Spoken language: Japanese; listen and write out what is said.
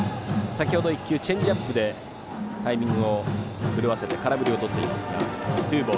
先ほど１球チェンジアップでタイミングを狂わせて空振りをとっています。